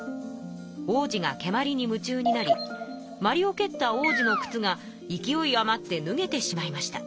皇子がけまりに夢中になりまりをけった皇子のくつが勢い余ってぬげてしまいました。